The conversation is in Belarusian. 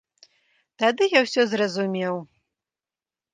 Тады я ўсё зразумеў.